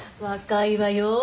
若いわよ。